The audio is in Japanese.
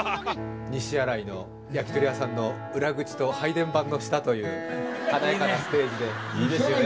西新井の焼き鳥屋さんの裏口と配電盤の下という華やかなステージでいいですよね